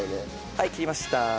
はい切りました。